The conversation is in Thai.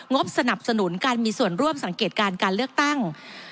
บสนับสนุนการมีส่วนร่วมสังเกตการการเลือกตั้ง